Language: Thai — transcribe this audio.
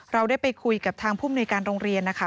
เราได้ไปคุยกับทางผู้มนุยการโรงเรียนนะคะ